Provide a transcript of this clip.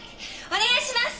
お願いします！